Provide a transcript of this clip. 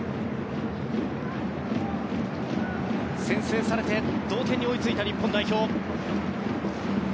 先制されて同点に追いついた日本代表。